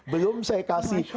belum saya kasih